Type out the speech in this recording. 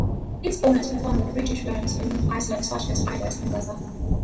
Its owners performed with British bands in Iceland such as Eyless in Gaza.